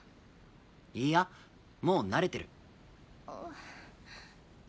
いいやもう慣れてる。